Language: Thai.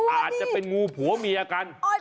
อาจจะเป็นงูผัวเมียกัน